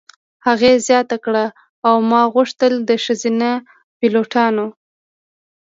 هغې زیاته کړه: "او ما غوښتل د ښځینه پیلوټانو.